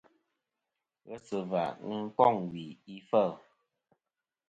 Ghesɨ̀và nɨn kôŋ wì ifêl.